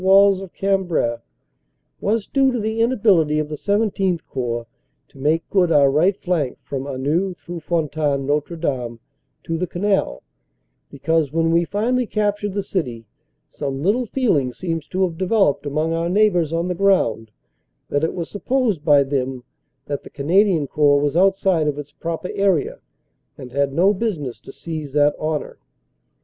28 29 241 walls of Cambrai was due to the inability of the XVII Corps to make good our right flank from Anneux through Fontaine Notre Dame to the canal because when we finally captured the city some little feeling seems to have developed among our neighbors on the ground that it was supposed by them that the Canadian Corps was outside of its proper area and had no business to seize that honor.